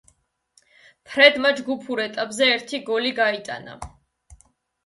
ფრედმა ჯგუფურ ეტაპზე ერთი გოლი გაიტანა.